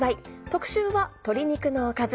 特集は「鶏肉のおかず」。